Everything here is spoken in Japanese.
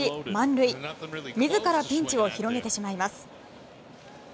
自らピンチを広げてしまいます。